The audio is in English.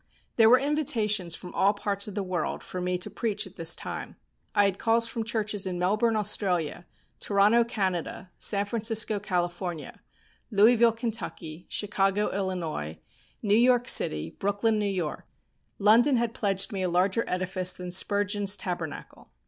There were invitations from all parts of the world for me to preach at this time. I had calls from churches in Melbourne, Australia; Toronto, Canada; San Francisco, California; Louisville, Kentucky; Chicago, Illinois; New York City; Brooklyn, N.Y. London had pledged me a larger edifice than Spurgeon's Tabernacle.